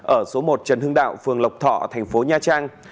ở số một trần hưng đạo phường lộc thọ thành phố nha trang